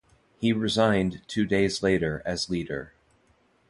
He resigned two days later as leader.